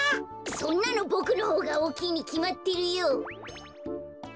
そんなのボクのほうがおおきいにきまってるよ。